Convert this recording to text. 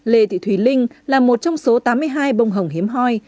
lê thị thùy linh là một trong số tám mươi hai bông hồng hiếm hoi